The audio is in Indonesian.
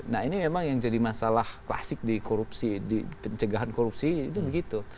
nah ini memang yang jadi masalah klasik di korupsi di pencegahan korupsi itu begitu